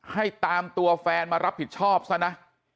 ให้ตามตัวแฟนมารับผิดชอบซะนะ